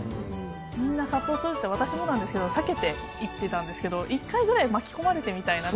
みんな、殺到するのを、私もなんですけど、避けていってたんですけど、一回ぐらい巻き込まれてみたいなって。